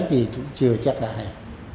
cái gì cũng chưa chắc đại